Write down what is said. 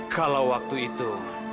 kalau waktu itu